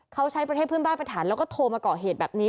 เขาใช้ประเทศเพื่อนบ้านไปถามแล้วก็โทรมาเกาะเหตุแบบนี้